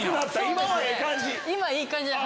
今いい感じで。